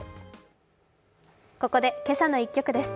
ここで「けさの１曲」です。